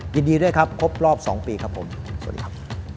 ยินดีด้วยครับครบรอบ๒ปีครับผมสวัสดีครับ